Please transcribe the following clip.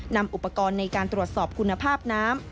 นำอุปกรณ์ในการตรวจสอบคุณภาพน้ำ